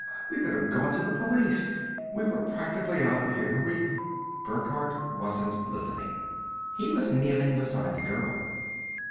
We could have gone to the police. We were practically out of here! We " Burckhardt wasn't listening. He was kneeling beside the girl.